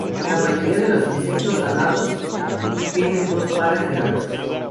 La mayoría de los insectos alados tienen dos pares de alas.